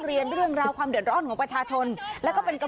เรียนเรื่องราวความเดือดร้อนของประชาชนแล้วก็เป็นกระ